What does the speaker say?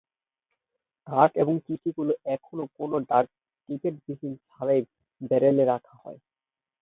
Card এবং চিঠিগুলি এখনও কোনো ডাকটিকিট ছাড়াই ব্যারেলে রাখা হয়।